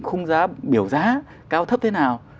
khung giá biểu giá cao thấp thế nào